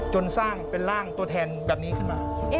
จนสร้างเป็นร่างตัวแทนแบบนี้ขึ้นมา